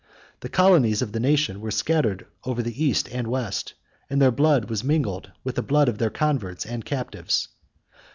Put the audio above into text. The colonies of the nation were scattered over the East and West, and their blood was mingled with the blood of their converts and captives.